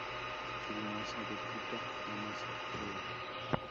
Su masa duplica la masa solar.